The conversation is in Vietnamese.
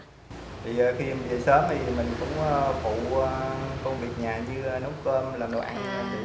thì khi em về sớm thì mình cũng phụ công việc nhà như là nấu cơm làm đồ ăn